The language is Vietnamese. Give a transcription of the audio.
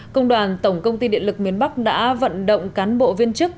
công đoàn tổng công ty điện lực miền bắc đã vận động cán bộ viên chức